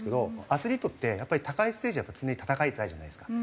アスリートって高いステージで常に戦いたいじゃないですか。